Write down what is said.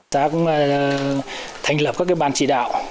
xã cũng thành lập các cái ban chỉ đạo